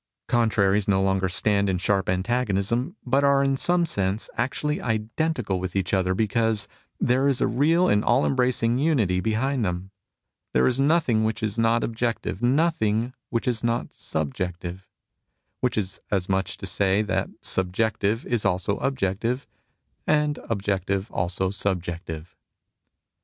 Contraries no longer stand in sharp antagonism, but are in some sense actually identical with each other, because there is a real and all embracing Unity behind them. There is nothing which is not objective, nothing which is not subjective ; which is as much as to say, that subjective is also objective, and objective also subjective.